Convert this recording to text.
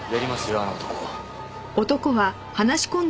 あの男。